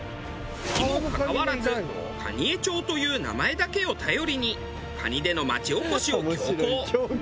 にもかかわらず蟹江町という名前だけを頼りに蟹での町おこしを強行。